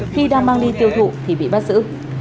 khi đang mang đi tiêu thụ thì bị bắt giữ